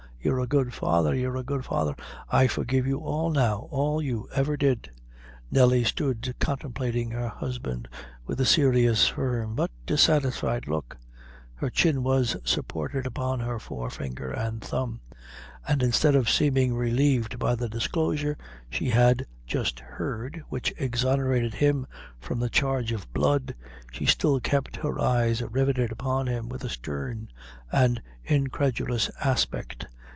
you're a good father; you're a good father; I forgive you all now, all you ever did." Nelly stood contemplating her husband with a serious, firm, but dissatisfied look; her chin was supported upon her forefinger and thumb; and instead of seeming relieved by the disclosure she had just heard, which exonerated him from the charge of blood, she still kept her eyes riveted upon him with a stern and incredulous aspect.